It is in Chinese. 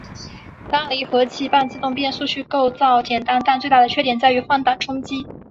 单离合器半自动变速器构造简单但最大的缺点在于换挡冲击。